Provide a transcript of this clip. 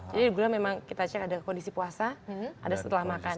jadi gula memang kita cek ada kondisi puasa ada setelah makan